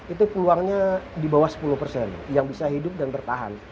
itu peluangnya di bawah sepuluh persen yang bisa hidup dan bertahan